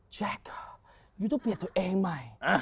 ใช่เธอยูต้องเปลี่ยนตัวเองใหม่